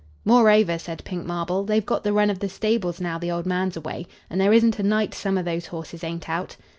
"Moreover," said Pink Marble, "they've got the run of the stables now the old man's away, and there isn't a night some of those horses ain't out."